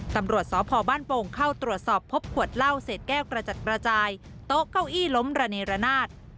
ตำรวจสพบ้านโป่งเข้าตรวจสอบพบขวดเหล้าเศษแก้วกระจัดกระจายโต๊ะเก้าอี้ล้มระเนรนาศ